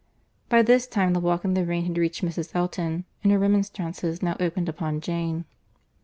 By this time, the walk in the rain had reached Mrs. Elton, and her remonstrances now opened upon Jane.